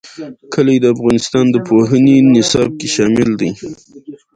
کلي د افغانستان د پوهنې نصاب کې شامل دي.